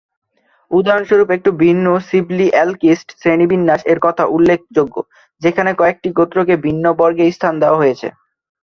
উদাহরণস্বরূপ একটু ভিন্ন সিবলি-অ্যালকিস্ট শ্রেণীবিন্যাস-এর কথা উল্লেখযোগ্য যেখানে কয়েকটি গোত্রকে ভিন্ন বর্গে স্থান দেওয়া হয়েছে।